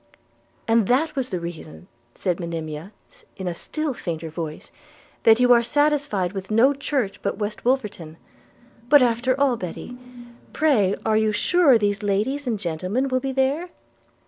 'And that was the reason,' said Monimia in a still fainter voice, 'that you are satisfied with no church but West Wolverton? But after all, Betty, pray are you sure these ladies and gentlemen will be there?'